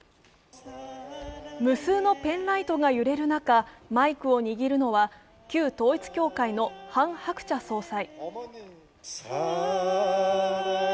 無数のペンライトが揺れる中、マイクを握るのは旧統一教会のハン・ハクチャ総裁。